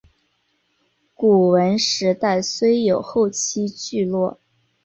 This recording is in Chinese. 古坟时代虽有后期聚落。